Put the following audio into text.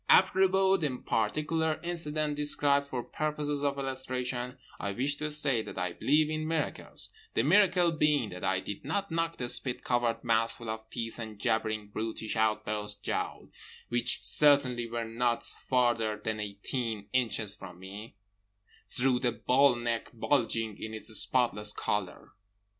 Apropos the particular incident described for purposes of illustration, I wish to state that I believe in miracles: the miracle being that I did not knock the spit covered mouthful of teeth and jabbering brutish outthrust jowl (which certainly were not farther than eighteen inches from me) through the bullneck bulging in its spotless collar.